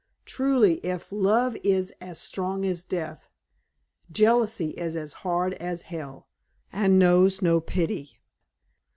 Truly, if "love is as strong as death," "jealousy is as hard as hell," and knows no pity.